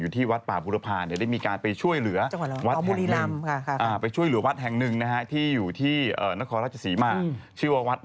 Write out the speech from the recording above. อยู่ที่อยู่ที่นครราชศรีมาอยู่ที่ไม่อยู่ที่นครราชศรีมานะครับ